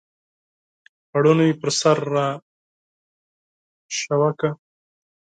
پوړنی پر سر را وښویوه !